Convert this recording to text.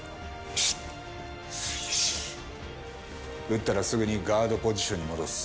打ったらすぐにガードポジションに戻す。